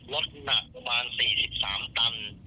รถหนักประมาณ๔๓ตัน